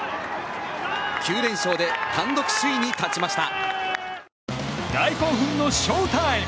９連勝で単独首位に立ちました。